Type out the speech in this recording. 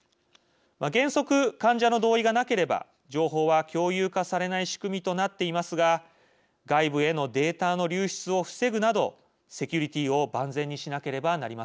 原則患者の同意がなければ情報は共有化されない仕組みとなっていますが外部へのデータの流出を防ぐなどセキュリティーを万全にしなければなりません。